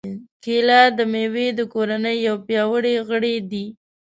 کېله د مېوې د کورنۍ یو پیاوړی غړی دی.